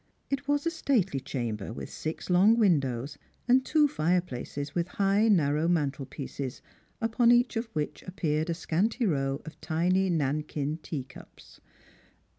It was a stately chamber, with six long windows, and two fireplaces with high narrow mantelpieces, upon each of which appeared a scanty row of tiny Nankin teacups.